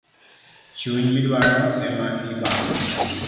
Chuny midwaro ema ibango